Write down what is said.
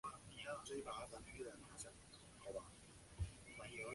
为什么我们天生就有尾巴